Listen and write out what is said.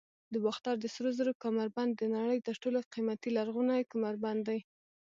د باختر د سرو زرو کمربند د نړۍ تر ټولو قیمتي لرغونی کمربند دی